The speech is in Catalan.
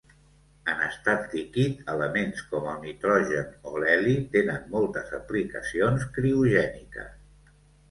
En estat líquid, elements com el nitrogen o l'heli tenen moltes aplicacions criogèniques.